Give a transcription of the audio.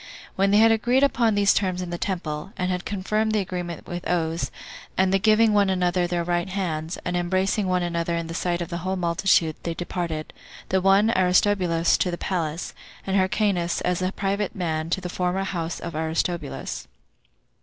When they had agreed upon these terms in the temple, and had confirmed the agreement with oaths, and the giving one another their right hands, and embracing one another in the sight of the whole multitude, they departed; the one, Aristobulus, to the palace; and Hyrcanus, as a private man, to the former house of Aristobulus.